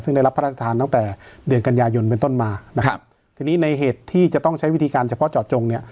ซึ่งได้รับพระราชทานตั้งแต่เดือนกันยายนเป็นต้นมานะครับทีนี้ในเหตุที่จะต้องใช้วิธีการเฉพาะเจาะจงเนี่ย